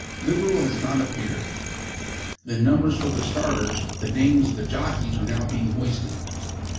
Liberal has not appeared. The numbers of the starters, with the names of the jockeys, are now being hoisted.